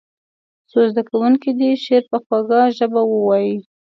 څو زده کوونکي دې شعر په خوږه ژبه ووایي.